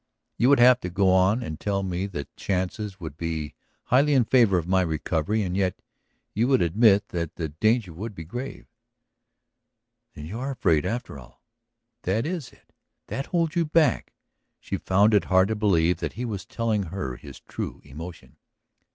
You would go on and tell me that the chances would be highly in favor of my recovery; and yet you would admit that the danger would be grave." "Then you are afraid, after all? That is it? That holds you back?" She found it hard to believe that he was telling her his true emotion.